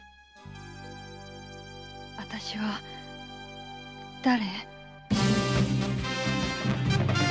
私は誰？